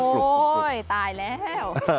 โอ้ยตายแล้ว